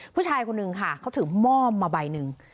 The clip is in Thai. ผู้ชายคนนึงค่ะเขาถือหม้อมาใบหนึ่ง